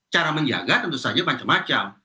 cara menjaga tentu saja macam macam